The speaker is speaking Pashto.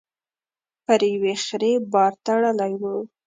پر يوې خرې بار تړلی و.